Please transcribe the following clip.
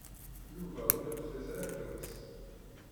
Yuba ur yeqfiz am gma-s.